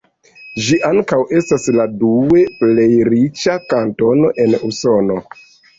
Ĝi ankaŭ estas la due plej riĉa kantono en Usono.